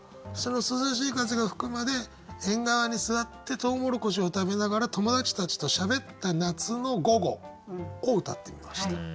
その涼しい風が吹くまで縁側に座ってとうもろこしを食べながら友達たちとしゃべった夏の午後をうたってみました。